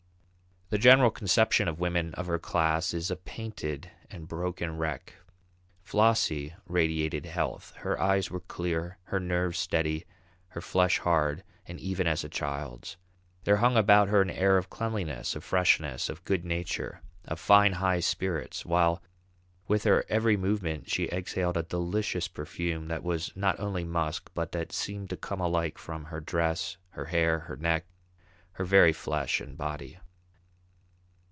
The general conception of women of her class is a painted and broken wreck. Flossie radiated health; her eyes were clear, her nerves steady, her flesh hard and even as a child's. There hung about her an air of cleanliness, of freshness, of good nature, of fine, high spirits, while with every movement she exhaled a delicious perfume that was not only musk, but that seemed to come alike from her dress, her hair, her neck, her very flesh and body.